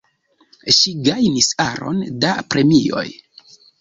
Ŝi gajnis aron da premioj.